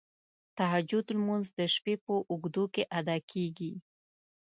تهجد لمونځ د شپې په اوږدو کې ادا کیږی.